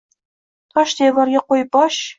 Tosh devorga qo’yib bosh.